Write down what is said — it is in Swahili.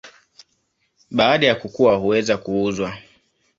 Baada ya kukua huweza kuuzwa.